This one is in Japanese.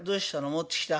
持ってきた？